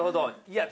いや。